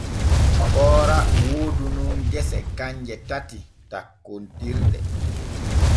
Koora woodu nun gesa kanje tati tokkontirɗe.